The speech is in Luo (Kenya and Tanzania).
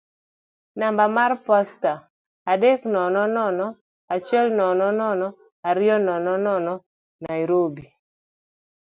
namba mar posta adek nono nono achiel nono nono ariyo nono nono Nairobi.